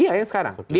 itu yang sekarang